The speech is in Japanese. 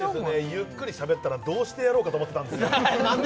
ゆっくり喋ったらどうしてやろうかと思ってた何でなん！